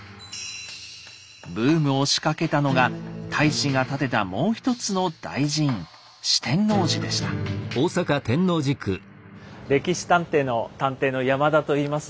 ブームを仕掛けたのが太子が建てたもう一つの大寺院「歴史探偵」の探偵の山田といいます。